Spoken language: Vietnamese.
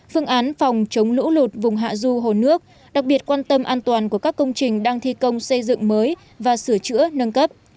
phương án phòng chống lũ lụt vùng hạ du hồ nước đặc biệt quan tâm an toàn của các công trình đang thi công xây dựng mới và sửa chữa nâng cấp